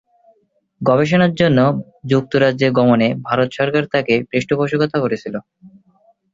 গবেষণার জন্য যুক্তরাজ্য গমনে ভারত সরকার তাকে পৃষ্ঠপোষকতা করেছিলো।